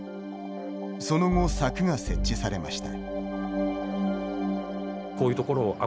その後、柵が設置されました。